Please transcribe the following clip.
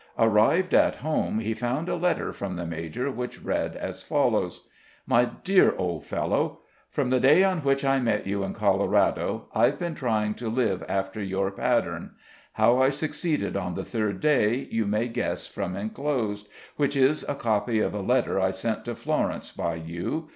Arrived at home he found a letter from the major which read as follows: "MY DEAR OLD FELLOW. From the day on which I met you in Colorado I've been trying to live after your pattern; how I succeeded on the third day, you may guess from inclosed, which is a copy of a letter I sent to Florence by you.